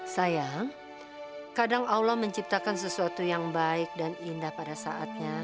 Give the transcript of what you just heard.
sayang kadang allah menciptakan sesuatu yang baik dan indah pada saatnya